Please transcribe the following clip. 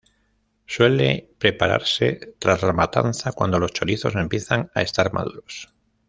Suele prepararse tras las matanza cuando los chorizos empiezan a estar maduros.